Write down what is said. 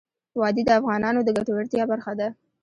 وادي د افغانانو د ګټورتیا برخه ده.